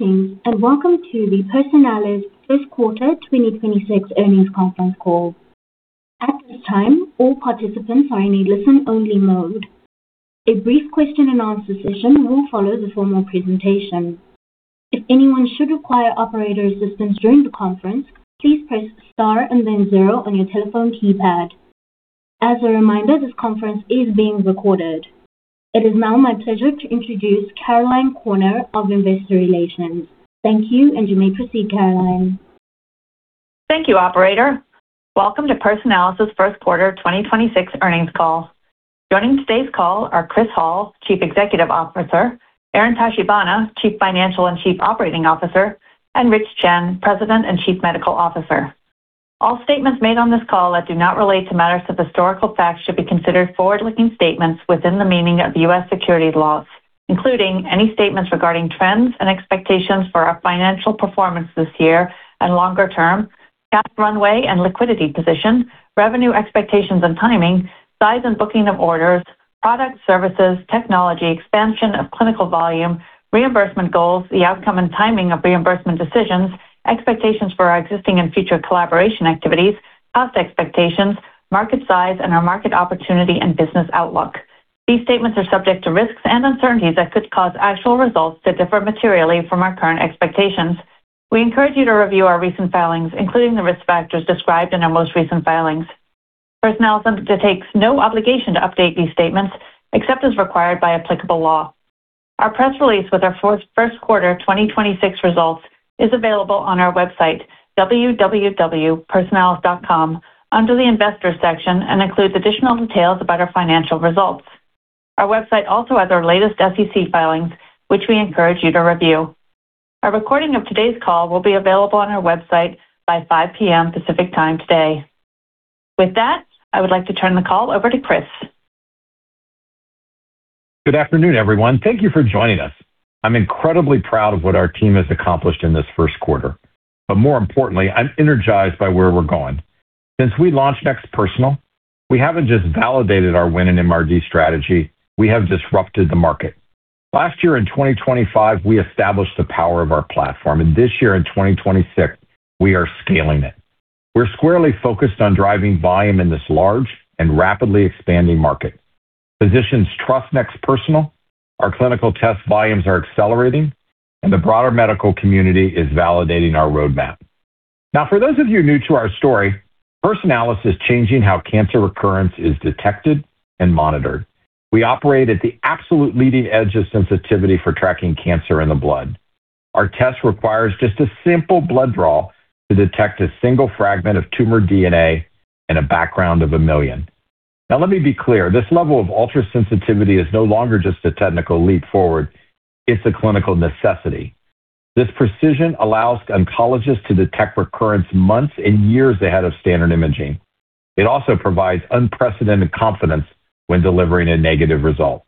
Greetings, welcome to the Personalis first quarter 2026 earnings conference call. At this time, all participants are in listen-only mode. A brief question-and-answer session will follow the formal presentation. As a reminder, this conference is being recorded. It is now my pleasure to introduce Caroline Corner of Investor Relations. Thank you, and you may proceed, Caroline. Thank you, operator. Welcome to Personalis' first quarter 2026 earnings call. Joining today's call are Chris Hall, Chief Executive Officer, Aaron Tachibana, Chief Financial and Chief Operating Officer, and Rich Chen, President and Chief Medical Officer. All statements made on this call that do not relate to matters of historical fact should be considered forward-looking statements within the meaning of the U.S. securities laws, including any statements regarding trends and expectations for our financial performance this year and longer term, cash runway and liquidity position, revenue expectations and timing, size and booking of orders, products, services, technology, expansion of clinical volume, reimbursement goals, the outcome and timing of reimbursement decisions, expectations for our existing and future collaboration activities, cost expectations, market size, and our market opportunity and business outlook. These statements are subject to risks and uncertainties that could cause actual results to differ materially from our current expectations. We encourage you to review our recent filings, including the risk factors described in our most recent filings. Personalis undertakes no obligation to update these statements except as required by applicable law. Our press release with our first quarter 2026 results is available on our website, www.personalis.com, under the Investors section, and includes additional details about our financial results. Our website also has our latest SEC filings, which we encourage you to review. A recording of today's call will be available on our website by 5:00 P.M. Pacific Time today. With that, I would like to turn the call over to Chris. Good afternoon, everyone. Thank you for joining us. I'm incredibly proud of what our team has accomplished in this first quarter, but more importantly, I'm energized by where we're going. Since we launched NeXT Personal, we haven't just validated our Win in MRD strategy, we have disrupted the market. Last year in 2025, we established the power of our platform, and this year in 2026, we are scaling it. We're squarely focused on driving volume in this large and rapidly expanding market. Physicians trust NeXT Personal, our clinical test volumes are accelerating, and the broader medical community is validating our roadmap. Now, for those of you new to our story, Personalis is changing how cancer recurrence is detected and monitored. We operate at the absolute leading edge of sensitivity for tracking cancer in the blood. Our test requires just a simple blood draw to detect a single fragment of tumor DNA in a background of 1 million. Let me be clear. This level of ultra-sensitivity is no longer just a technical leap forward, it's a clinical necessity. This precision allows oncologists to detect recurrence months and years ahead of standard imaging. It also provides unprecedented confidence when delivering a negative result.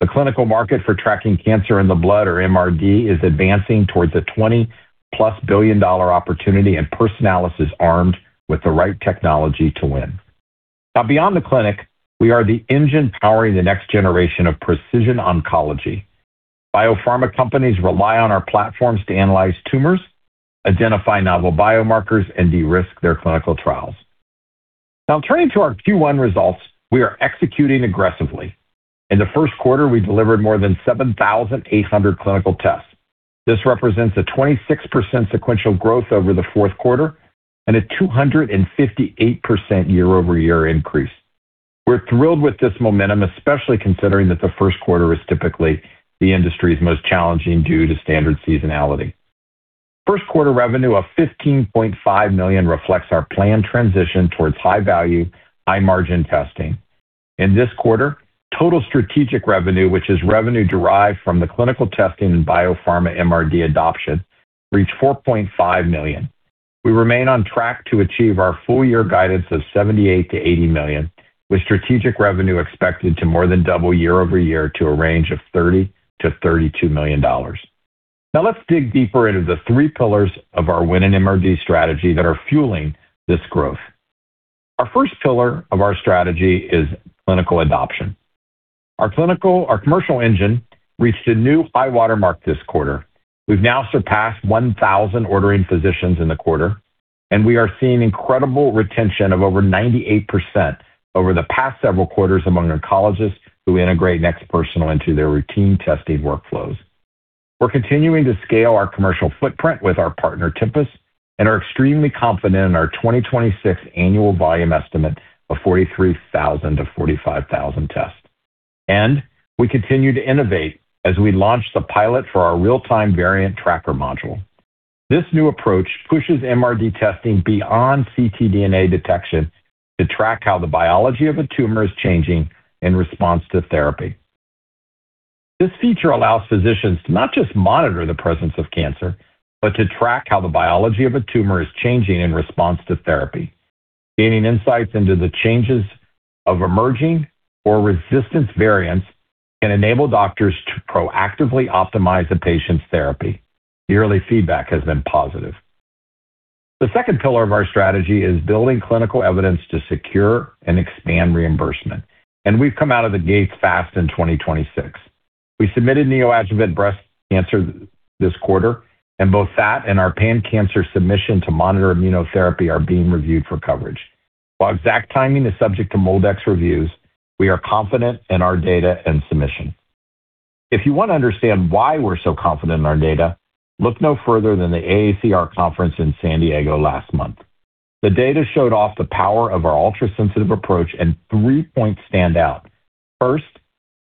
The clinical market for tracking cancer in the blood or MRD is advancing towards a $20-plus billion opportunity. Personalis is armed with the right technology to win. Beyond the clinic, we are the engine powering the next generation of precision oncology. Biopharma companies rely on our platforms to analyze tumors, identify novel biomarkers, and de-risk their clinical trials. Turning to our Q1 results, we are executing aggressively. In the first quarter, we delivered more than 7,800 clinical tests. This represents a 26% sequential growth over the fourth quarter and a 258% year-over-year increase. We're thrilled with this momentum, especially considering that the first quarter is typically the industry's most challenging due to standard seasonality. First quarter revenue of $15.5 million reflects our planned transition towards high-value, high-margin testing. In this quarter, total strategic revenue, which is revenue derived from the clinical testing and biopharma MRD adoption, reached $4.5 million. We remain on track to achieve our full year guidance of $78 million-$80 million, with strategic revenue expected to more than double year-over-year to a range of $30 million-$32 million. Let's dig deeper into the three pillars of our Win in MRD strategy that are fueling this growth. Our first pillar of our strategy is clinical adoption. Our clinical or commercial engine reached a new high-water mark this quarter. We've now surpassed 1,000 ordering physicians in the quarter. We are seeing incredible retention of over 98% over the past several quarters among oncologists who integrate NeXT Personal into their routine testing workflows. We're continuing to scale our commercial footprint with our partner Tempus. We are extremely confident in our 2026 annual volume estimate of 43,000-45,000 tests. We continue to innovate as we launched the pilot for our Real-Time Variant Tracker module. This new approach pushes MRD testing beyond ctDNA detection to track how the biology of a tumor is changing in response to therapy. This feature allows physicians to not just monitor the presence of cancer, but to track how the biology of a tumor is changing in response to therapy. Gaining insights into the changes of emerging or resistance variants can enable doctors to proactively optimize a patient's therapy. The early feedback has been positive. The second pillar of our strategy is building clinical evidence to secure and expand reimbursement, and we've come out of the gates fast in 2026. We submitted neoadjuvant breast cancer this quarter, and both that and our pan-cancer submission to monitor immunotherapy are being reviewed for coverage. While exact timing is subject to MolDX reviews, we are confident in our data and submission. If you want to understand why we're so confident in our data, look no further than the AACR conference in San Diego last month. The data showed off the power of our ultrasensitive approach, and three points stand out. First,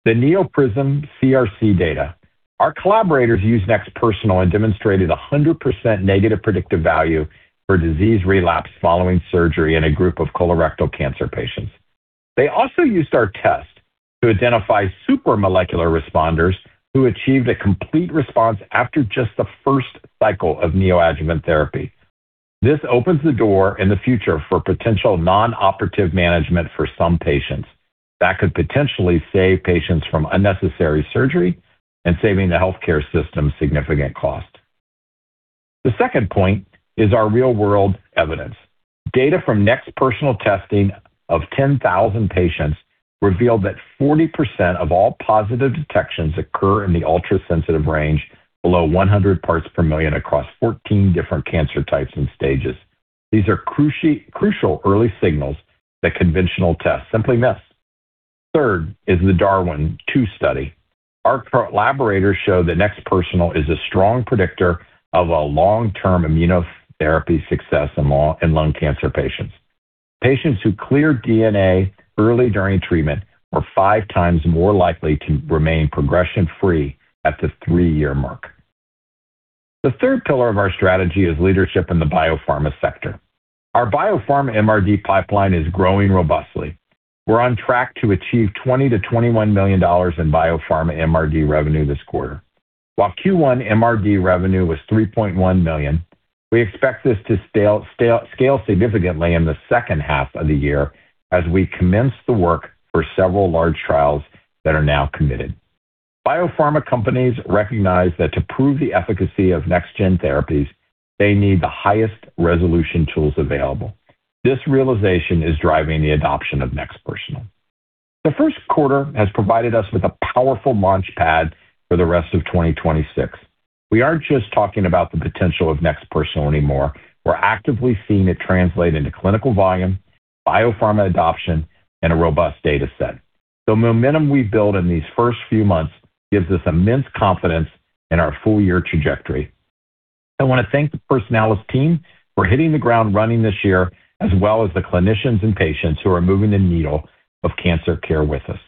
the NEOPRISM-CRC data. Our collaborators used NeXT Personal and demonstrated a 100% negative predictive value for disease relapse following surgery in a group of colorectal cancer patients. They also used our test to identify super molecular responders who achieved a complete response after just the first cycle of neoadjuvant therapy. This opens the door in the future for potential non-operative management for some patients that could potentially save patients from unnecessary surgery and saving the healthcare system significant cost. The second point is our real-world evidence. Data from NeXT Personal testing of 10,000 patients revealed that 40% of all positive detections occur in the ultrasensitive range below 100 parts per million across 14 different cancer types and stages. These are crucial early signals that conventional tests simply miss. Third is the DARWIN 2 study. Our collaborators show that NeXT Personal is a strong predictor of a long-term immunotherapy success in lung cancer patients. Patients who cleared DNA early during treatment were five times more likely to remain progression-free at the three-year mark. The third pillar of our strategy is leadership in the biopharma sector. Our biopharma MRD pipeline is growing robustly. We're on track to achieve $20 million-$21 million in biopharma MRD revenue this quarter. While Q1 MRD revenue was $3.1 million, we expect this to scale significantly in the second half of the year as we commence the work for several large trials that are now committed. Biopharma companies recognize that to prove the efficacy of next-gen therapies, they need the highest resolution tools available. This realization is driving the adoption of NeXT Personal. The first quarter has provided us with a powerful launch pad for the rest of 2026. We aren't just talking about the potential of NeXT Personal anymore. We're actively seeing it translate into clinical volume, biopharma adoption, and a robust data set. The momentum we built in these first few months gives us immense confidence in our full-year trajectory. I want to thank the Personalis team for hitting the ground running this year, as well as the clinicians and patients who are moving the needle of cancer care with us.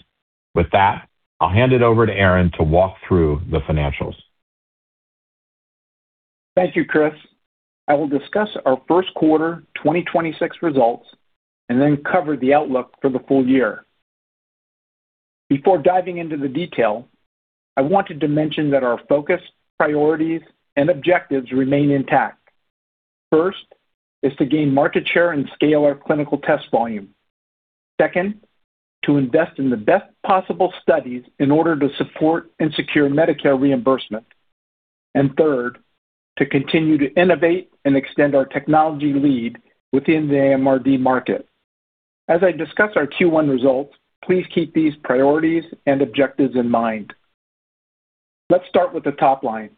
With that, I'll hand it over to Aaron to walk through the financials. Thank you, Chris. I will discuss our first quarter 2026 results and then cover the outlook for the full year. Before diving into the detail, I wanted to mention that our focus, priorities, and objectives remain intact. First is to gain market share and scale our clinical test volume. Second, to invest in the best possible studies in order to support and secure Medicare reimbursement. Third, to continue to innovate and extend our technology lead within the MRD market. As I discuss our Q1 results, please keep these priorities and objectives in mind. Let's start with the top line.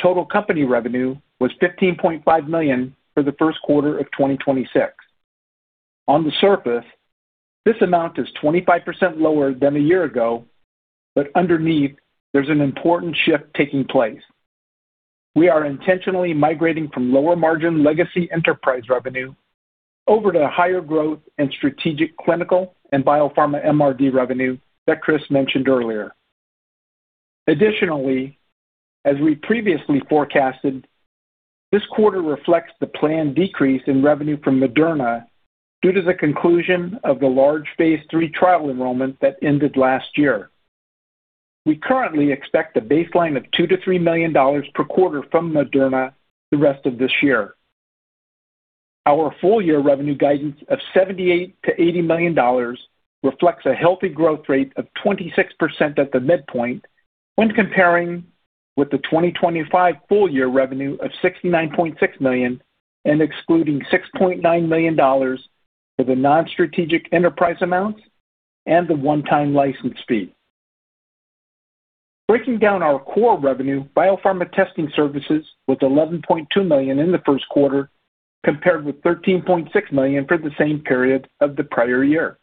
Total company revenue was $15.5 million for the first quarter of 2026. On the surface, this amount is 25% lower than a year ago, but underneath, there's an important shift taking place. We are intentionally migrating from lower-margin legacy enterprise revenue over to higher growth and strategic clinical and biopharma MRD revenue that Chris mentioned earlier. Additionally, as we previously forecasted, this quarter reflects the planned decrease in revenue from Moderna due to the conclusion of the large Phase III trial enrollment that ended last year. We currently expect a baseline of $2 million-$3 million per quarter from Moderna the rest of this year. Our full-year revenue guidance of $78 million-$80 million reflects a healthy growth rate of 26% at the midpoint when comparing with the 2025 full-year revenue of $69.6 million and excluding $6.9 million for the non-strategic enterprise amounts and the one-time license fee. Breaking down our core revenue, biopharma testing services was $11.2 million in the first quarter compared with $13.6 million for the same period of the prior year.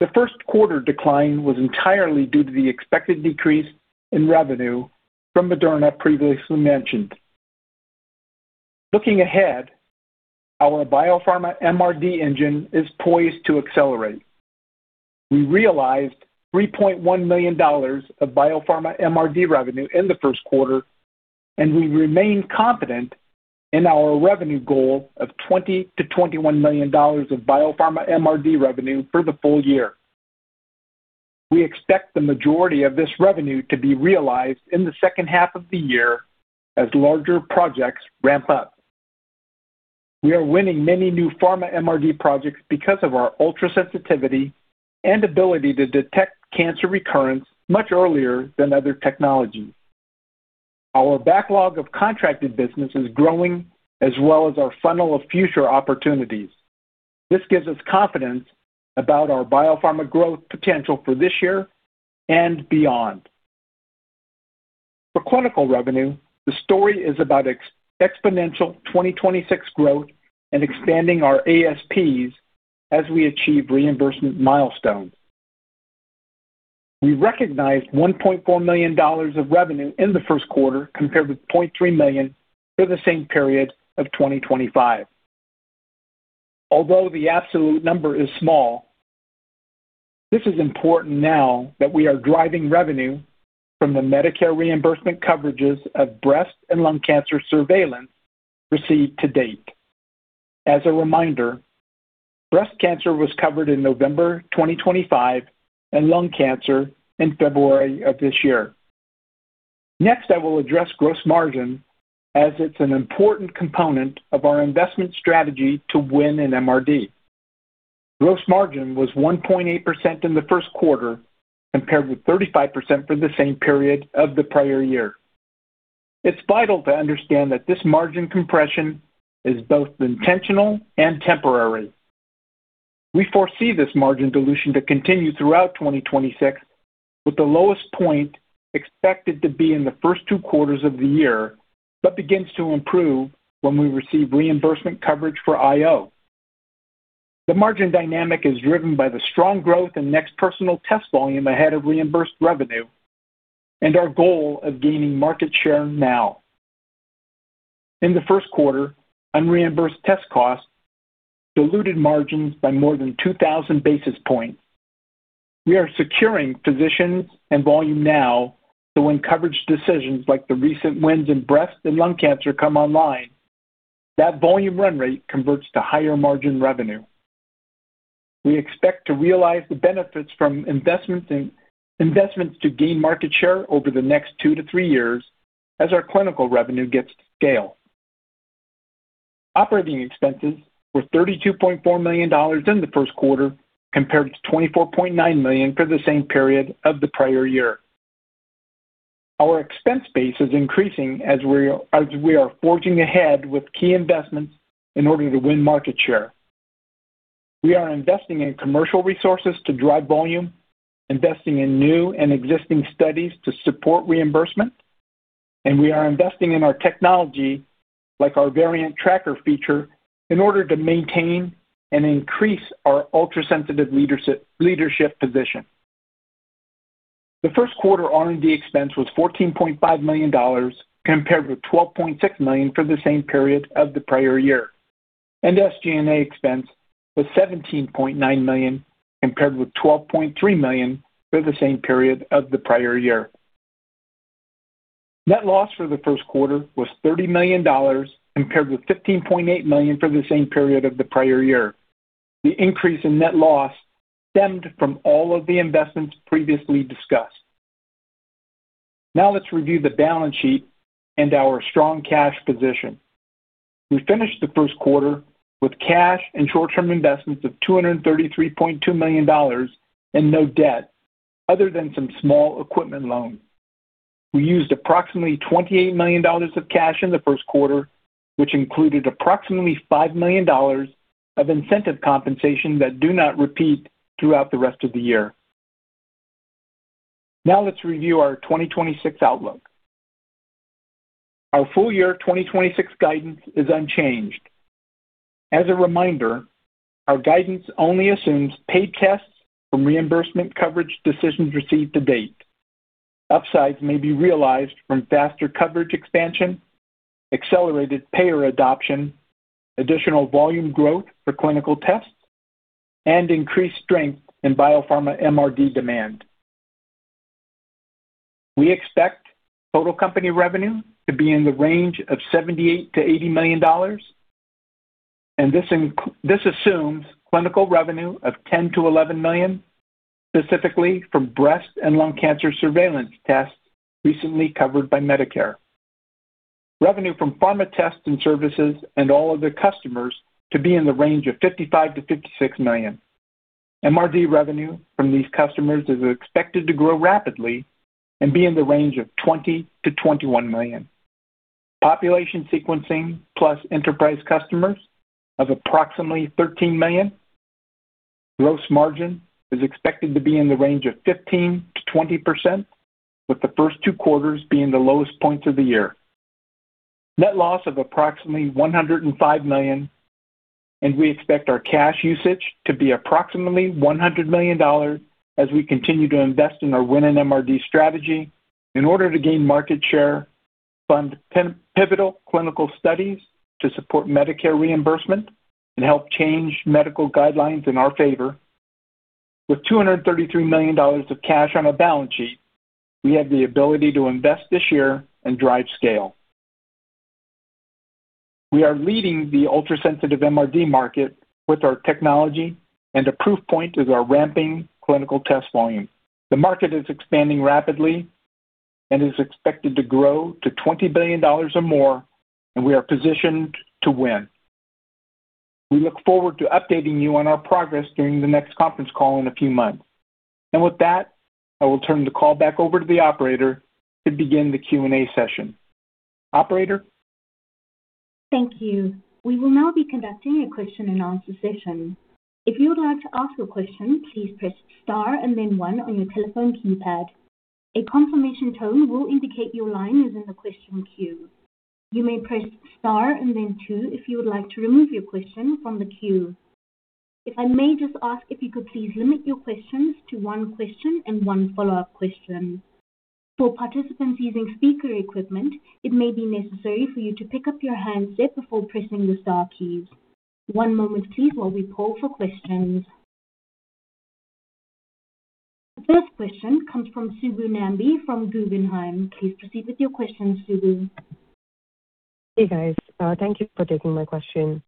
The first quarter decline was entirely due to the expected decrease in revenue from Moderna previously mentioned. Looking ahead, our biopharma MRD engine is poised to accelerate. We realized $3.1 million of biopharma MRD revenue in the first quarter, and we remain confident in our revenue goal of $20 million-$21 million of biopharma MRD revenue for the full year. We expect the majority of this revenue to be realized in the second half of the year as larger projects ramp up. We are winning many new pharma MRD projects because of our ultra-sensitivity and ability to detect cancer recurrence much earlier than other technologies. Our backlog of contracted business is growing as well as our funnel of future opportunities. This gives us confidence about our biopharma growth potential for this year and beyond. For clinical revenue, the story is about exponential 2026 growth and expanding our ASPs as we achieve reimbursement milestones. We recognized $1.4 million of revenue in the first quarter compared with $0.3 million for the same period of 2025. Although the absolute number is small, this is important now that we are driving revenue from the Medicare reimbursement coverages of breast and lung cancer surveillance received to date. As a reminder, breast cancer was covered in November 2025, and lung cancer in February of this year. Next, I will address gross margin as it's an important component of our investment strategy to Win in MRD. Gross margin was 1.8% in the first quarter compared with 35% for the same period of the prior year. It's vital to understand that this margin compression is both intentional and temporary. We foresee this margin dilution to continue throughout 2026, with the lowest point expected to be in the first two quarters of the year, but begins to improve when we receive reimbursement coverage for IO. The margin dynamic is driven by the strong growth in NeXT Personal test volume ahead of reimbursed revenue and our goal of gaining market share now. In the first quarter, unreimbursed test costs diluted margins by more than 2,000 basis points. We are securing physicians and volume now, so when coverage decisions like the recent wins in breast and lung cancer come online, that volume run rate converts to higher-margin revenue. We expect to realize the benefits from investments to gain market share over the next two to three years as our clinical revenue gets to scale. Operating expenses were $32.4 million in the first quarter compared to $24.9 million for the same period of the prior year. Our expense base is increasing as we are forging ahead with key investments in order to win market share. We are investing in commercial resources to drive volume, investing in new and existing studies to support reimbursement, and we are investing in our technology, like our Variant Tracker feature, in order to maintain and increase our ultra-sensitive leadership position. The first quarter R&D expense was $14.5 million compared with $12.6 million for the same period of the prior year. SG&A expense was $17.9 million compared with $12.3 million for the same period of the prior year. Net loss for the first quarter was $30 million compared with $15.8 million for the same period of the prior year. The increase in net loss stemmed from all of the investments previously discussed. Let's review the balance sheet and our strong cash position. We finished the first quarter with cash and short-term investments of $233.2 million and no debt, other than some small equipment loans. We used approximately $28 million of cash in the first quarter, which included approximately $5 million of incentive compensation that do not repeat throughout the rest of the year. Let's review our 2026 outlook. Our full-year 2026 guidance is unchanged. As a reminder, our guidance only assumes paid tests from reimbursement coverage decisions received to date. Upsides may be realized from faster coverage expansion, accelerated payer adoption, additional volume growth for clinical tests, and increased strength in biopharma MRD demand. We expect total company revenue to be in the range of $78 million-$80 million. This assumes clinical revenue of $10 million-$11 million, specifically from breast and lung cancer surveillance tests recently covered by Medicare. Revenue from pharma tests and services and all other customers to be in the range of $55 million-$56 million. MRD revenue from these customers is expected to grow rapidly and be in the range of $20 million-$21 million. Population sequencing plus enterprise customers of approximately $13 million. Gross margin is expected to be in the range of 15%-20%, with the first two quarters being the lowest points of the year. Net loss of approximately $105 million. We expect our cash usage to be approximately $100 million as we continue to invest in our Win in MRD strategy in order to gain market share, fund pivotal clinical studies to support Medicare reimbursement, and help change medical guidelines in our favor. With $233 million of cash on our balance sheet, we have the ability to invest this year and drive scale. We are leading the ultra-sensitive MRD market with our technology, and a proof point is our ramping clinical test volume. The market is expanding rapidly. It is expected to grow to $20 billion or more. We are positioned to win. We look forward to updating you on our progress during the next conference call in a few months. With that, I will turn the call back over to the operator to begin the Q&A session. Operator? Thank you. We will now be conducting a question-and-answer session. If you would like to ask a question, please press star and then one on your telephone keypad. A confirmation tone will indicate your line is in the question queue. You may press star and then two if you would like to remove your question from the queue. If I may just ask if you could please limit your questions to one question and one follow-up question. For participants using speaker equipment, it may be necessary for you to pick up your handset before pressing the star keys. One moment please while we poll for questions. The first question comes from Subbu Nambi from Guggenheim. Please proceed with your questions, Subbu. Hey, guys. Thank you for taking my question.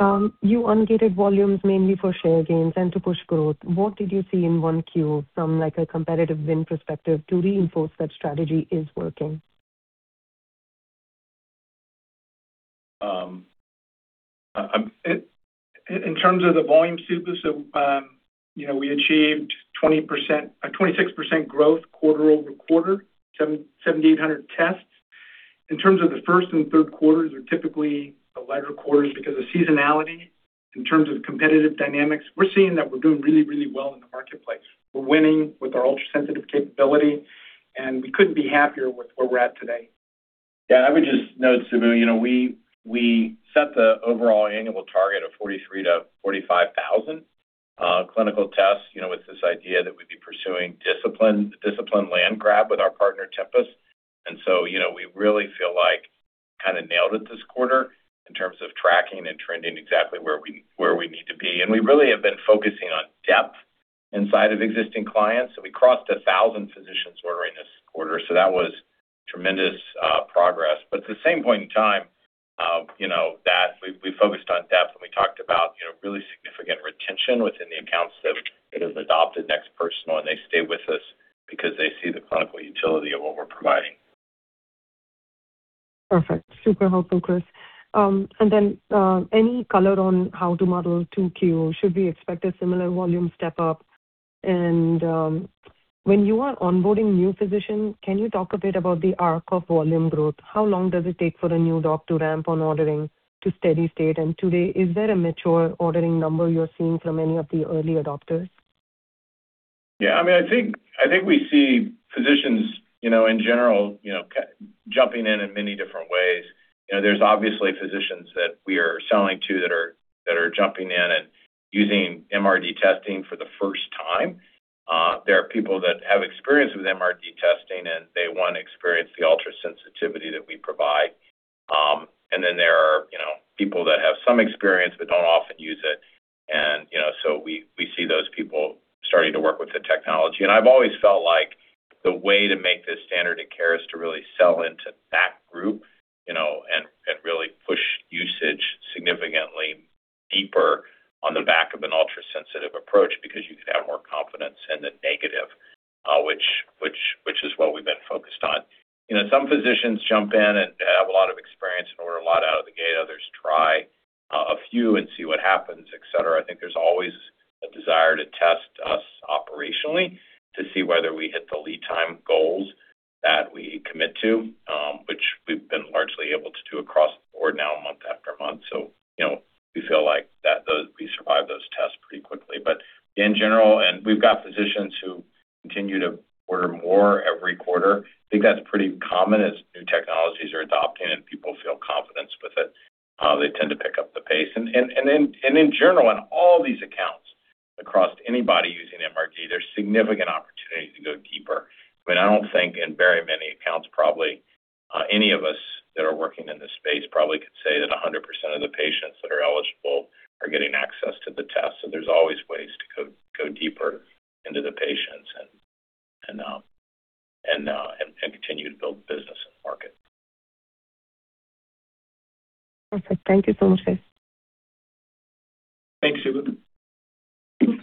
You ungated volumes mainly for share gains and to push growth. What did you see in 1Q from like a competitive win perspective to reinforce that strategy is working? In terms of the volume, Subbu, you know, we achieved 26% growth quarter-over-quarter, 7,800 tests. In terms of the first and third quarters are typically the lighter quarters because of seasonality. In terms of competitive dynamics, we're seeing that we're doing really, really well in the marketplace. We're winning with our ultra-sensitive capability, and we couldn't be happier with where we're at today. Yeah, I would just note, Subbu, you know, we set the overall annual target of 43,000-45,000 clinical tests, you know, with this idea that we'd be pursuing discipline land grab with our partner, Tempus. You know, we really feel like kinda nailed it this quarter in terms of tracking and trending exactly where we need to be. We really have been focusing on depth inside of existing clients. We crossed 1,000 physicians ordering this quarter, so that was tremendous progress. At the same point in time, you know, that we focused on depth when we talked about, you know, really significant retention within the accounts that it is adopted NeXT Personal, and they stay with us because they see the clinical utility of what we're providing. Perfect. Super helpful, Chris. Any color on how to model 2Q? Should we expect a similar volume step-up? When you are onboarding new physician, can you talk a bit about the arc of volume growth? How long does it take for a new doc to ramp on ordering to steady state? Today, is there a mature ordering number you're seeing from any of the early adopters? Yeah. I mean, I think we see physicians, you know, in general, you know, jumping in in many different ways. You know, there's obviously physicians that we are selling to that are jumping in and using MRD testing for the first time. There are people that have experience with MRD testing, and they wanna experience the ultra-sensitivity that we provide. Then there are, you know, people that have some experience but don't often use it. You know, we see those people starting to work with the technology. I've always felt like the way to make this standard of care is to really sell into that group, you know, and really push usage significantly deeper on the back of an ultra-sensitive approach because you can have more confidence in the negative, which is what we've been focused on. You know, some physicians jump in and have a lot of experience and order a lot out of the gate. Others try a few and see what happens, et cetera. I think there's always a desire to test us operationally to see whether we hit the lead time goals that we commit to, which we've been largely able to do across the board now month after month. You know, we feel like that those we survive those tests pretty quickly. In general, we've got physicians who continue to order more every quarter. I think that's pretty common as new technologies are adopted and people feel confidence with it, they tend to pick up the pace. In general, in all these accounts across anybody using MRD, there's significant opportunity to go deeper. I mean, I don't think in very many accounts, probably, any of us that are working in this space probably could say that 100% of the patients that are eligible are getting access to the test. There's always ways to go deeper into the patients and continue to build business in the market. Perfect. Thank you so much, Chris. Thanks, Subbu.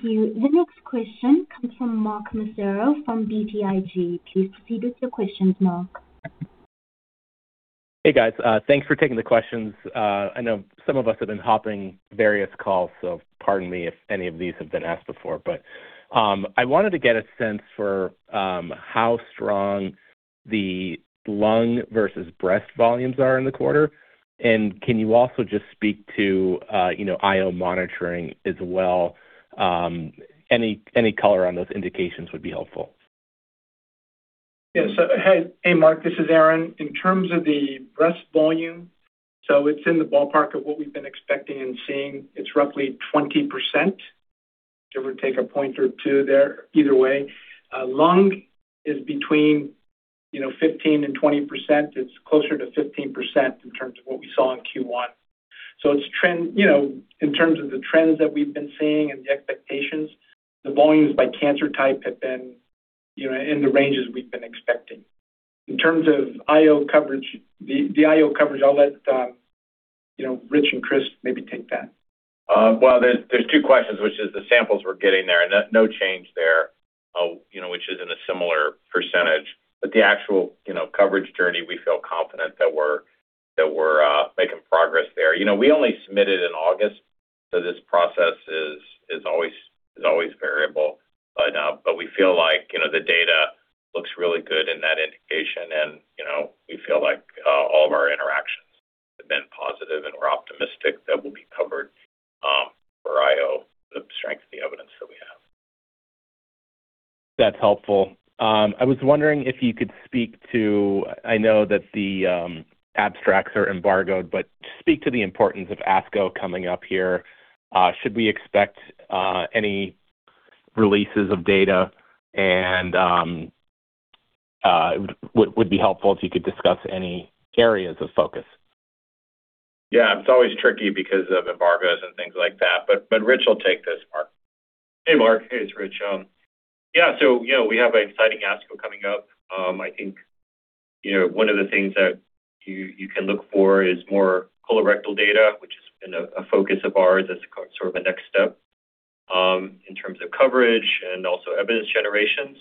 Thank you. The next question comes from Mark Massaro from BTIG. Please proceed with your questions, Mark. Hey, guys. Thanks for taking the questions. I know some of us have been hopping various calls, so pardon me if any of these have been asked before. I wanted to get a sense for how strong the lung versus breast volumes are in the quarter. Can you also just speak to, you know, IO monitoring as well? Any, any color on those indications would be helpful. Hey, hey, Mark. This is Aaron. In terms of the breast volume, it's in the ballpark of what we've been expecting and seeing. It's roughly 20%, give or take a point or two there either way. Lung is between, you know, 15% and 20%. It's closer to 15% in terms of what we saw in Q1. You know, in terms of the trends that we've been seeing and the expectations, the volumes by cancer type have been, you know, in the ranges we've been expecting. In terms of IO coverage, the IO coverage, I'll let, you know, Rich and Chris, maybe take that. Well, there's two questions, which is the samples we're getting there. No change there, you know, which is in a similar percentage. The actual, you know, coverage journey, we feel confident that we're making progress there. You know, we only submitted in August, so this process is always variable. We feel like, you know, the data looks really good in that indication, and, you know, we feel like all of our interactions have been positive and we're optimistic that we'll be covered for IO, the strength of the evidence that we have. That's helpful. I was wondering if you could speak to I know that the abstracts are embargoed, but speak to the importance of ASCO coming up here. Should we expect any releases of data and it would be helpful if you could discuss any areas of focus. Yeah. It's always tricky because of embargoes and things like that, but Rich will take this, Mark. Hey, Mark. Hey, it's Rich. Yeah, you know, we have an exciting ASCO coming up. I think, you know, one of the things that you can look for is more colorectal data, which has been a focus of ours as sort of a next step in terms of coverage and also evidence generation.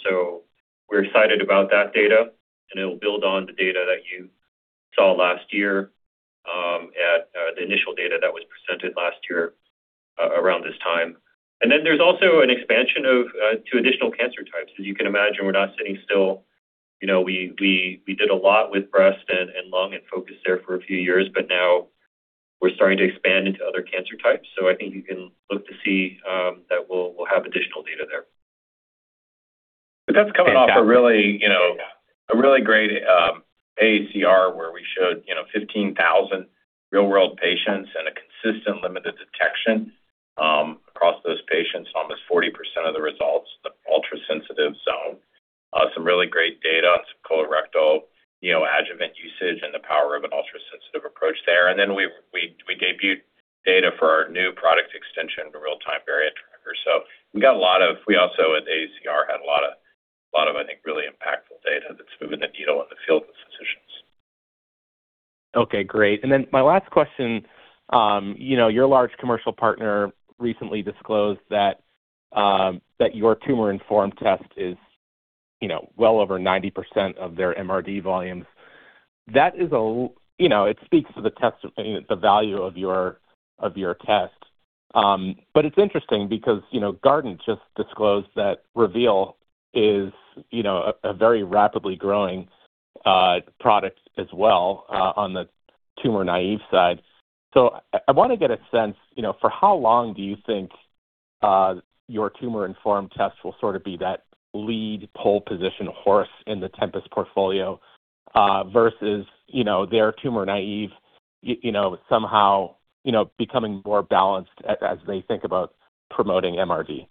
We're excited about that data, and it'll build on the data that you saw last year at the initial data that was presented last year around this time. There's also an expansion of two additional cancer types. As you can imagine, we're not sitting still. You know, we did a lot with breast and lung and focused there for a few years, now we're starting to expand into other cancer types. I think you can look to see that we'll have additional data there. That's coming off a. Fantastic A really great AACR where we showed 15,000 real-world patients and a consistent limited detection across those patients, almost 40% of the results, the ultrasensitive zone. Some really great data on some colorectal adjuvant usage and the power of an ultrasensitive approach there. We debuted data for our new product extension, the Real-Time Variant Tracker. We also at AACR had a lot of, I think, really impactful data that's moving the needle in the field with physicians. Okay. Great. My last question, you know, your large commercial partner recently disclosed that your tumor-informed test is, you know, well over 90% of their MRD volumes. That is, you know, it speaks to the test, the value of your test. It's interesting because, you know, Guardant just disclosed that Reveal is, you know, a very rapidly growing product as well, on the tumor-naive side. I wanna get a sense, you know, for how long do you think your tumor-informed test will sort of be that lead pole position horse in the Tempus portfolio versus, you know, their tumor-naive, you know, somehow, you know, becoming more balanced as they think about promoting MRD?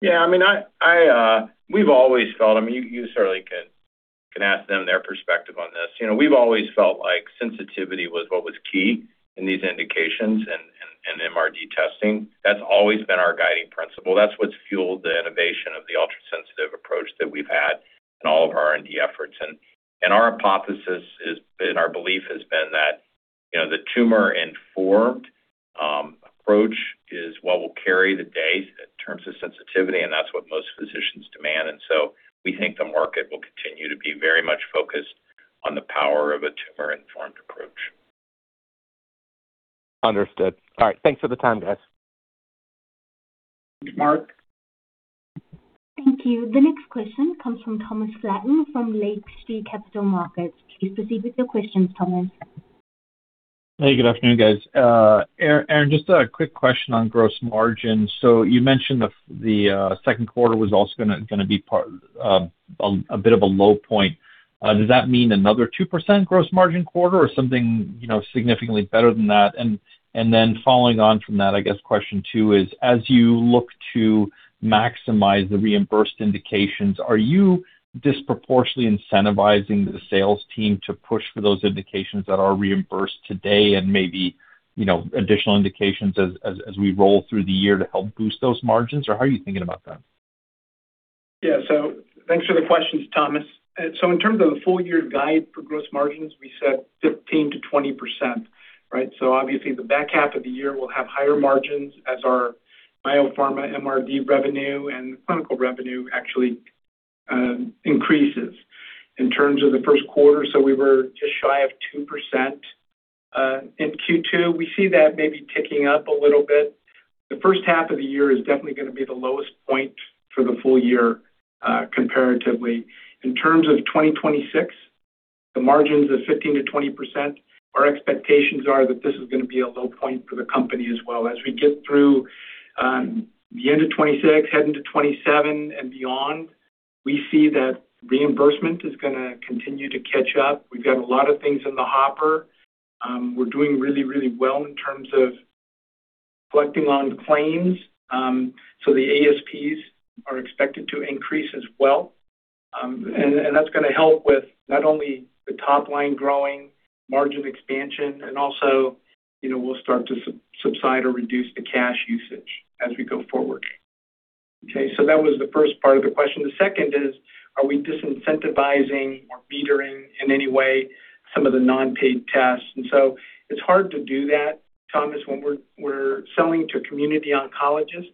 Yeah, I mean, I, we've always felt I mean, you certainly can ask them their perspective on this. You know, we've always felt like sensitivity was what was key in these indications and MRD testing. That's always been our guiding principle. That's what's fueled the innovation of the ultrasensitive approach that we've had in all of our R&D efforts. Our hypothesis has been, our belief has been that, you know, the tumor-informed approach is what will carry the day in terms of sensitivity, and that's what most physicians demand. We think the market will continue to be very much focused on the power of a tumor-informed approach. Understood. All right. Thanks for the time, guys. Thanks, Mark. Thank you. The next question comes from Thomas Flaten from Lake Street Capital Markets. Please proceed with your questions, Thomas. Hey, good afternoon, guys. Aaron, just a quick question on gross margins. You mentioned the second quarter was also gonna be a bit of a low point. Does that mean another 2% gross margin quarter or something, you know, significantly better than that? Following on from that, I guess question two is, as you look to maximize the reimbursed indications, are you disproportionately incentivizing the sales team to push for those indications that are reimbursed today and maybe, you know, additional indications as we roll through the year to help boost those margins, or how are you thinking about that? Yeah. Thanks for the questions, Thomas. In terms of the full year guide for gross margins, we said 15%-20%, right? Obviously the back half of the year will have higher margins as our biopharma MRD revenue and clinical revenue actually increases. In terms of the first quarter, we were just shy of 2% in Q2. We see that maybe ticking up a little bit. The first half of the year is definitely gonna be the lowest point for the full year, comparatively. In terms of 2026, the margins of 15%-20%, our expectations are that this is gonna be a low point for the company as well. As we get through the end of 2026 heading to 2027 and beyond, we see that reimbursement is gonna continue to catch up. We've got a lot of things in the hopper. We're doing really, really well in terms of collecting on claims. The ASPs are expected to increase as well. That's gonna help with not only the top line growing, margin expansion and also, you know, we'll start to subside or reduce the cash usage as we go forward. Okay, that was the first part of the question. The second is, are we disincentivizing or metering in any way some of the non-paid tests? It's hard to do that, Thomas, when we're selling to community oncologists.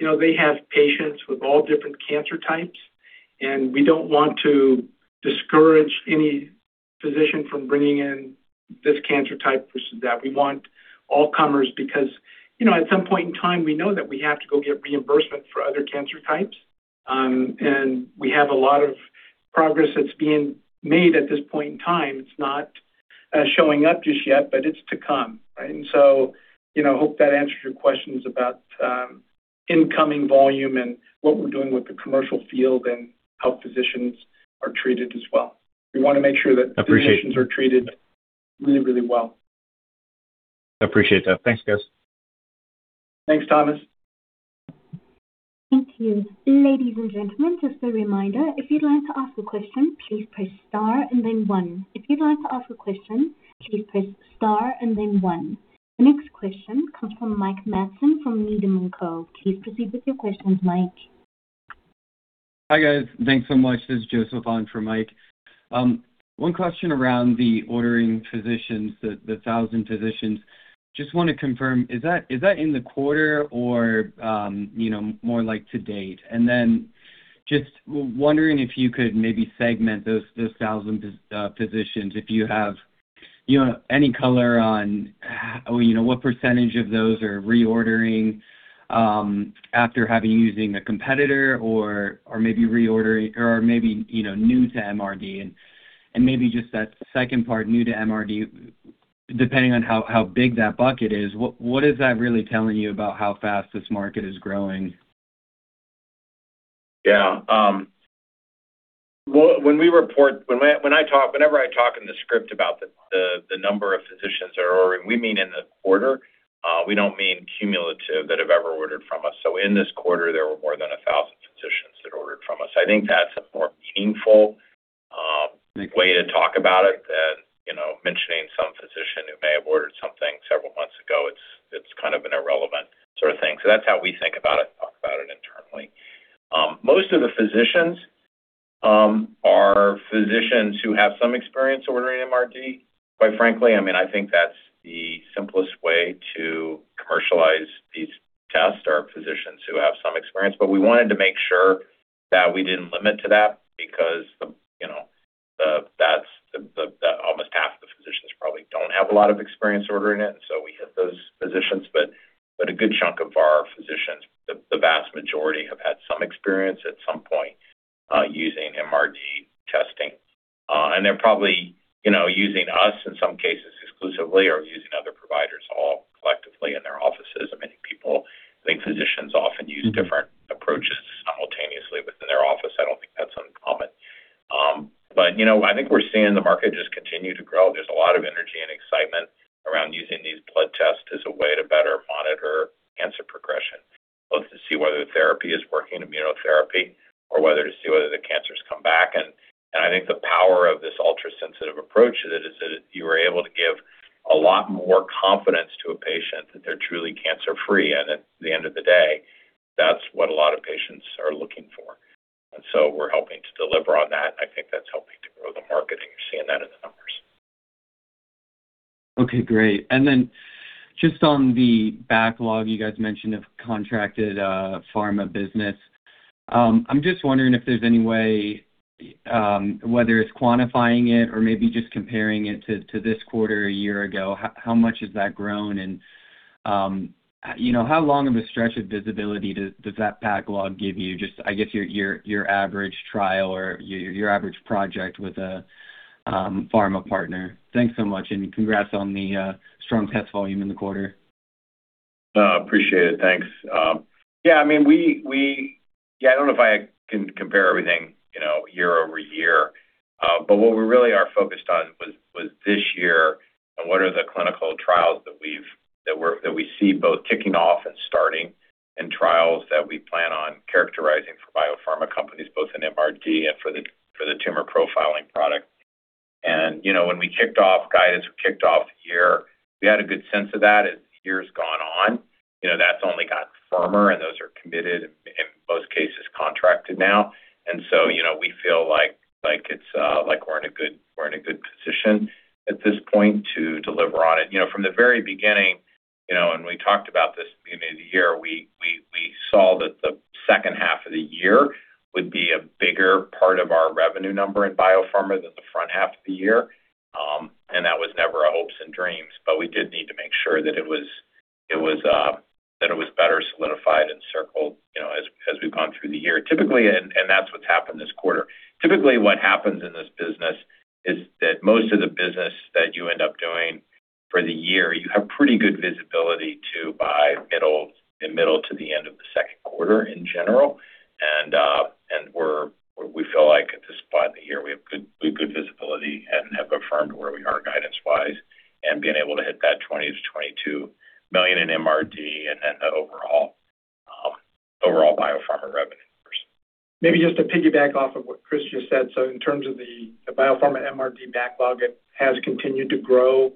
You know, they have patients with all different cancer types. We don't want to discourage any physician from bringing in this cancer type versus that. We want all comers because, you know, at some point in time we know that we have to go get reimbursement for other cancer types. We have a lot of progress that's being made at this point in time. It's not showing up just yet, it's to come, right? I hope that answers your questions about incoming volume and what we're doing with the commercial field and how physicians are treated as well. We want to make sure that physicians are treated really, really well. Appreciate that. Thanks, guys. Thanks, Thomas. Thank you. Ladies and gentlemen, just a reminder, if you'd like to ask a question, please press star and then one. If you'd like to ask a question, please press star and then one. The next question comes from Mike Matson from Needham & Company. Please proceed with your questions, Mike. Hi, guys. Thanks so much. This is Joseph on for Mike. One question around the ordering physicians, the 1,000 physicians. Just want to confirm, is that in the quarter or more like to date? Just wondering if you could maybe segment those 1,000 physicians, if you have any color on what percentage of those are reordering after having using a competitor or maybe reordering or maybe new to MRD. Maybe just that second part, new to MRD, depending on how big that bucket is, what is that really telling you about how fast this market is growing? Yeah. Well, whenever I talk in the script about the number of physicians that are ordering, we mean in the quarter, we don't mean cumulative that have ever ordered from us. In this quarter, there were more than 1,000 physicians that ordered from us. I think that's a more meaningful. Okay. way to talk about it than, you know, mentioning some physician who may have ordered something several months ago. It's kind of an irrelevant sort of thing. That's how we think about it, talk about it internally. Most of the physicians are physicians who have some experience ordering MRD, quite frankly. I mean, I think that's the simplest way to commercialize these tests are physicians who have some experience. We wanted to make sure that we didn't limit to that because the, you know, that's the, almost half the physicians probably don't have a lot of experience ordering it, and so we hit those physicians. A good chunk of our physicians, the vast majority have had some experience at some point, using MRD testing. They're probably, you know, using us in some cases exclusively or using other providers all collectively in their offices. Many people I think physicians often use different approaches simultaneously within their office. I don't think that's uncommon. You know, I think we're seeing the market just continue to grow. There's a lot of energy and excitement around using these blood tests Thanks so much, and congrats on the strong test volume in the quarter. Appreciate it. Thanks. Yeah, I mean, I don't know if I can compare everything, you know, year-over-year. But what we really are focused on was this year and what are the clinical trials that we see both kicking off and starting and trials that we plan on characterizing for biopharma companies, both in MRD and for the tumor profiling product. You know, when we kicked off guidance, we kicked off the year, we had a good sense of that. As the year's gone on, you know, that's only gotten firmer, and those are committed, in most cases contracted now. So, you know, we feel like it's like we're in a good position at this point to deliver on it. You know, from the very beginning, you know, when we talked about this at the beginning of the year, we saw that the second half of the year would be a bigger part of our revenue number in biopharma than the front half of the year. That was never our hopes and dreams, but we did need to make sure that it was better solidified and circled, you know, as we've gone through the year. Typically, and that's what's happened this quarter. Typically, what happens in this business is that most of the business that you end up doing for the year, you have pretty good visibility to by middle, the middle to the end of the second quarter in general. We feel like at this spot in the year we have good visibility and have affirmed where we are guidance-wise and being able to hit that $20 million-$22 million in MRD and then the overall biopharma revenue. Maybe just to piggyback off of what Chris just said. In terms of the biopharma MRD backlog, it has continued to grow.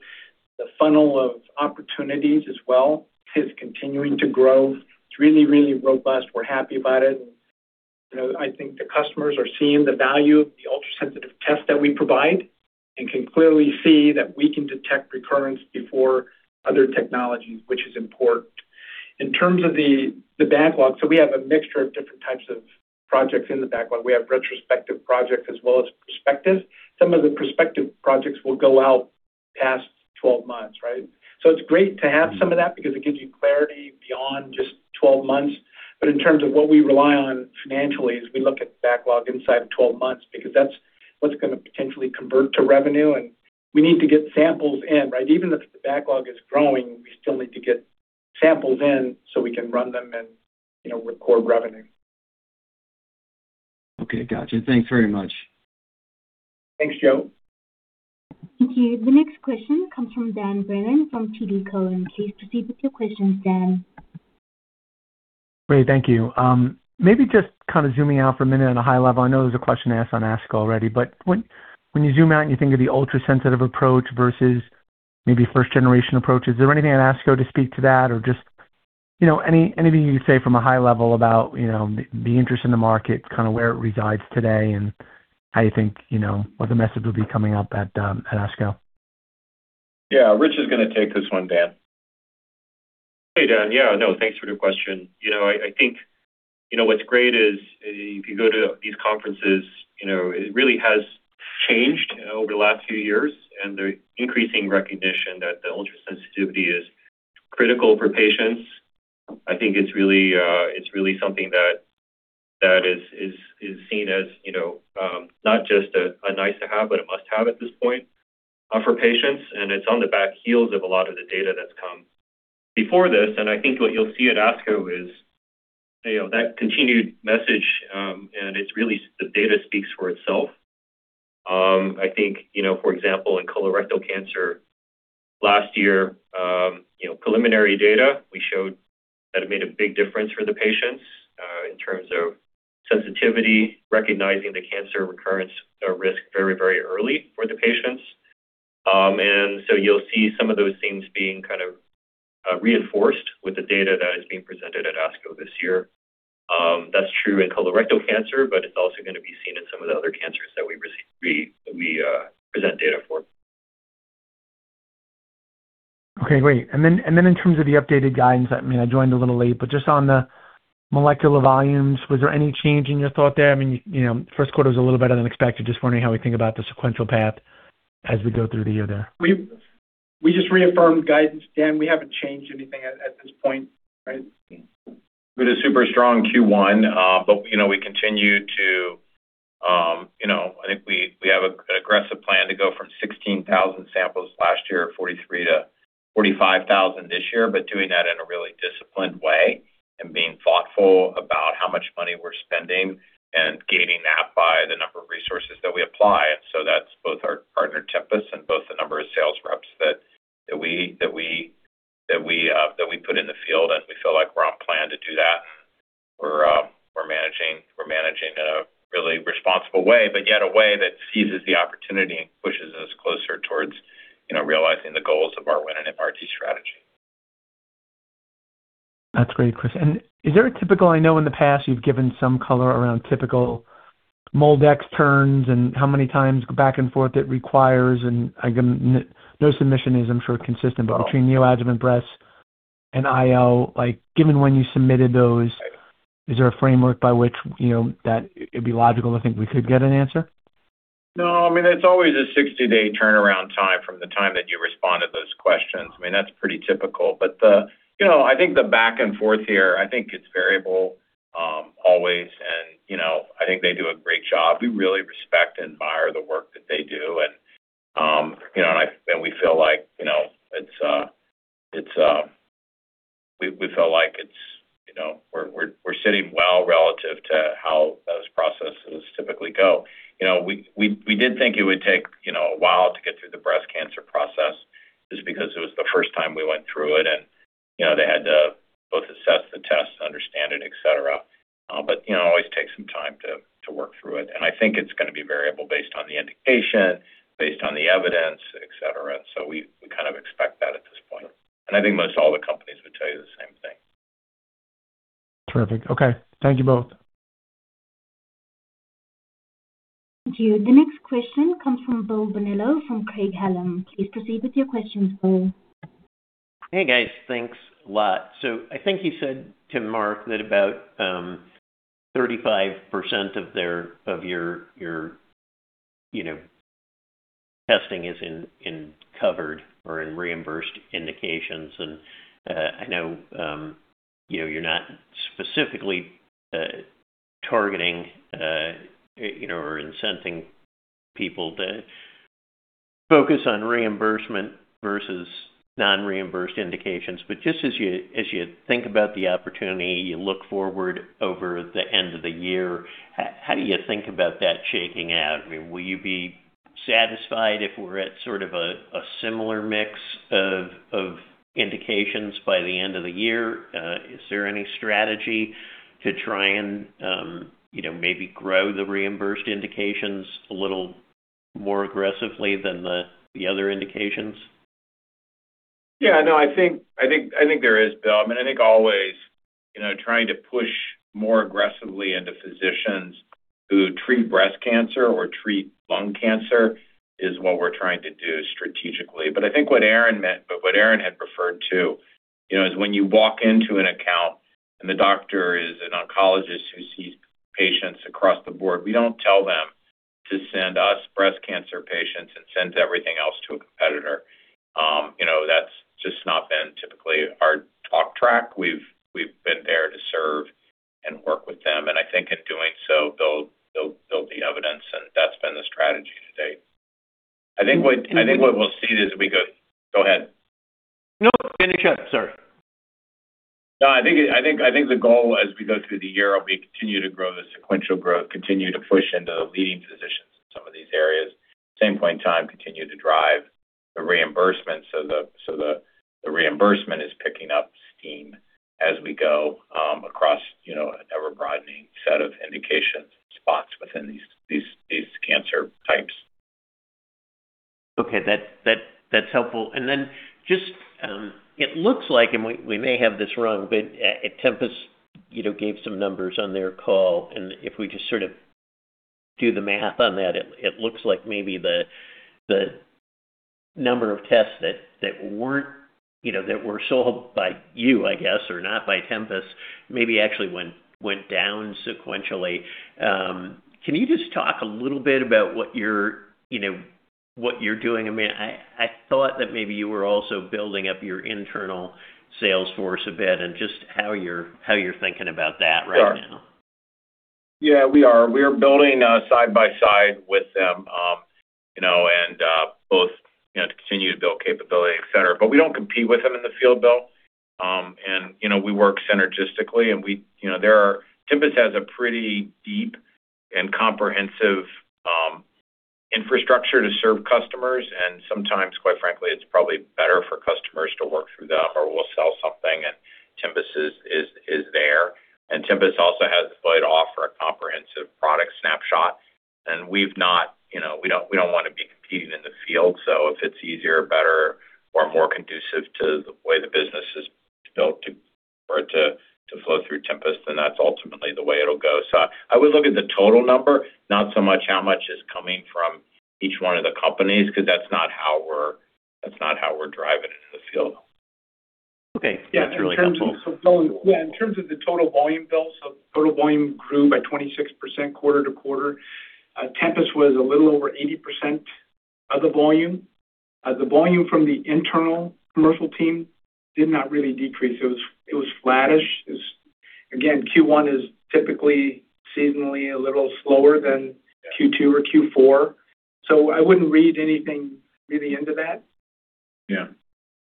The funnel of opportunities as well is continuing to grow. It's really robust. We're happy about it. You know, I think the customers are seeing the value of the ultrasensitive test that we provide and can clearly see that we can detect recurrence before other technologies, which is important. In terms of the backlog, we have a mixture of different types of projects in the backlog. We have retrospective projects as well as prospective. Some of the prospective projects will go out past 12 months, right? It's great to have some of that because it gives you clarity beyond just 12 months. In terms of what we rely on financially is we look at the backlog inside of 12 months because that's what's gonna potentially convert to revenue, and we need to get samples in, right? Even if the backlog is growing, we still need to get samples in so we can run them and, you know, record revenue. Okay. Gotcha. Thanks very much. Thanks, Joe. Thank you. The next question comes from Dan Brennan from TD Cowen. Please proceed with your questions, Dan. Great. Thank you. Maybe just kind of zooming out for a minute on a high level, I know there was a question asked on ASCO already, when you zoom out and you think of the ultrasensitive approach versus maybe first-generation approach, is there anything at ASCO to speak to that? Just, you know, anything you could say from a high level about, you know, the interest in the market, kinda where it resides today and how you think, you know, what the message will be coming up at ASCO? Yeah. Rich is gonna take this one, Dan. Hey, Dan. Yeah, no, thanks for your question. You know, I think, you know, what's great is if you go to these conferences, you know, it really has changed, you know, over the last few years, and there's increasing recognition that the ultrasensitivity is critical for patients. I think it's really, it's really something that is seen as, you know, not just a nice to have, but a must-have at this point for patients, and it's on the back heels of a lot of the data that's come before this. I think what you'll see at ASCO is, you know, that continued message, and it's really the data speaks for itself. I think, you know, for example, in colorectal cancer last year, you know, preliminary data, we showed that it made a big difference for the patients, in terms of sensitivity, recognizing the cancer recurrence, risk very, very early for the patients. You'll see some of those themes being kind of reinforced with the data that is being presented at ASCO this year. That's true in colorectal cancer, but it's also gonna be seen in some of the other cancers that we present data for. Okay. Great. In terms of the updated guidance, I joined a little late, but just on the molecular volumes, was there any change in your thought there? First quarter was a little better than expected. Just wondering how we think about the sequential path as we go through the year there. We just reaffirmed guidance, Dan. We haven't changed anything at this point, right? We had a super strong Q1, you know, we continue to, you know I think we have an aggressive plan to go from 16,000 samples last year, 43,000-45,000 this year. Doing that in a really disciplined way and being thoughtful about how much money we're spending and gating that by the number of resources that we apply. That's both our partner Tempus and both the number of sales reps that we put in the field, and we feel like we're on plan to do that. We're managing in a really responsible way, but yet a way that seizes the opportunity and pushes us closer towards, you know, realizing the goals of our Win in MRD strategy. That's great, Chris. Is there a typical I know in the past you've given some color around typical MolDX turns and how many times back and forth it requires, and no submission is, I'm sure, consistent. Between neoadjuvant breasts and IO, like, given when you submitted those. Right. Is there a framework by which, you know, that it'd be logical to think we could get an answer? No. I mean, it's always a 60-day turnaround time from the time that you respond to those questions. I mean, that's pretty typical. The You know, I think the back and forth here, I think it's variable, always. You know, I think they do a great job. We really respect and admire the work that they do, and, you know, and we feel like, you know, it's, we feel like it's You know, we're sitting well relative to how those processes typically go. You know, we did think it would take, you know, a while to get through the breast cancer process, just because it was the first time we went through it and, you know, they had to both assess the test, understand it, et cetera. You know, it always takes some time to work through it. I think it's gonna be variable based on the indication, based on the evidence, et cetera. We kind of expect that at this point. I think most all the companies would tell you the same thing. Terrific. Okay. Thank you both. Thank you. The next question comes from Bill Bonello from Craig-Hallum. Please proceed with your questions, Bill. Hey, guys. Thanks a lot. I think you said to Mark Massaro that about 35% of your, you know, testing is in covered or in reimbursed indications. I know, you know, you're not specifically targeting, you know, or incenting people to focus on reimbursement versus non-reimbursed indications. Just as you think about the opportunity, you look forward over the end of the year, how do you think about that shaking out? I mean, will you be satisfied if we're at sort of a similar mix of indications by the end of the year? Is there any strategy to try and, you know, maybe grow the reimbursed indications a little more aggressively than the other indications? Yeah, no, I think there is, Bill. I mean, I think always, you know, trying to push more aggressively into physicians who treat breast cancer or treat lung cancer is what we're trying to do strategically. I think what Aaron meant, but what Aaron had referred to, you know, is when you walk into an account and the doctor is an oncologist who sees patients across the board, we don't tell them to send us breast cancer patients and send everything else to a competitor. You know, that's just not been typically our talk track. We've been there to serve and work with them, and I think in doing so, they'll be evidence, and that's been the strategy to date. I think what we'll see as we go. Go ahead. No, finish up, sir. No, I think the goal as we go through the year will be continue to grow the sequential growth, continue to push into leading physicians in some of these areas. Same point in time, continue to drive the reimbursement so the reimbursement is picking up steam as we go, you know, across an ever-broadening set of indications and spots within these cancer types. Okay, that's helpful. Then just, it looks like, and we may have this wrong, but Tempus, you know, gave some numbers on their call. If we just sort of do the math on that, it looks like maybe the number of tests that weren't, you know, that were sold by you, I guess, or not by Tempus, maybe actually went down sequentially. Can you just talk a little bit about what you're doing? I mean, I thought that maybe you were also building up your internal sales force a bit and just how you're thinking about that right now. Sure. We are. We are building side by side with them, you know, and both, you know, to continue to build capability, et cetera. We don't compete with them in the field, Bill Bonello. You know, we work synergistically, and Tempus has a pretty deep and comprehensive infrastructure to serve customers. Sometimes, quite frankly, it's probably better for customers to work through them or we'll sell something and Tempus is there. Tempus also has the ability to offer a comprehensive product snapshot. You know, we don't wanna be competing in the field. If it's easier, better or more conducive to the way the business is built for it to flow through Tempus, then that's ultimately the way it'll go. I would look at the total number, not so much how much is coming from each one of the companies, 'cause that's not how we're driving it in the field. Okay. That's really helpful. In terms of the total volume, Bill, total volume grew by 26% quarter-to-quarter. Tempus was a little over 80% of the volume. The volume from the internal commercial team did not really decrease. It was flattish. Again, Q1 is typically seasonally a little slower than- Yeah. Q2 or Q4. I wouldn't read anything really into that. Yeah.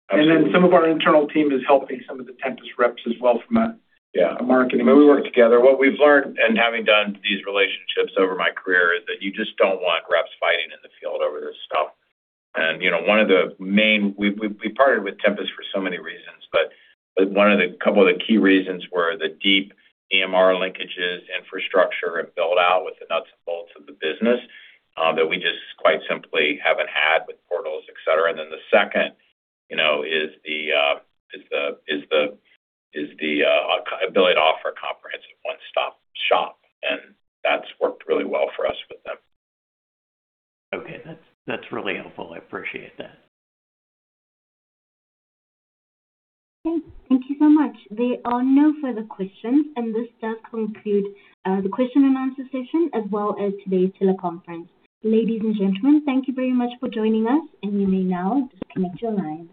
Absolutely. Some of our internal team is helping some of the Tempus reps as well. Yeah. a marketing perspective. We work together. What we've learned in having done these relationships over my career is that you just don't want reps fighting in the field over this stuff. You know, one of the main We partnered with Tempus for so many reasons, but one of the couple of the key reasons were the deep EMR linkages, infrastructure, and build-out with the nuts and bolts of the business, that we just quite simply haven't had with portals, et cetera. The second, you know, is the ability to offer a comprehensive one-stop shop, and that's worked really well for us with them. Okay. That's really helpful. I appreciate that. Okay. Thank you so much. There are no further questions, and this does conclude the question-and-answer session as well as today's teleconference. Ladies and gentlemen, thank you very much for joining us, and you may now disconnect your line.